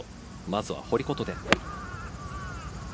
まずは堀琴音。